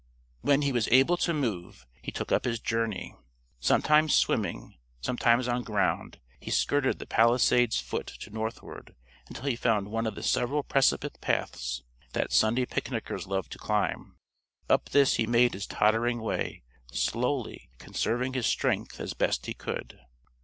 When he was able to move, he took up his journey. Sometimes swimming, sometimes on ground, he skirted the Palisades foot to northward, until he found one of the several precipice paths that Sunday picnickers love to climb. Up this he made his tottering way, slowly; conserving his strength as best he could.